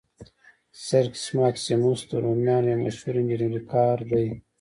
سرکس ماکسیموس د رومیانو یو مشهور انجنیري کار دی.